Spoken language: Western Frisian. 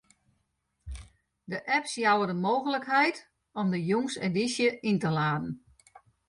De apps jouwe de mooglikheid om de jûnsedysje yn te laden.